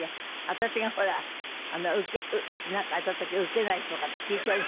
私がほらなんかやった時ウケないとかって聞いてる。